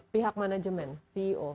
pihak manajemen ceo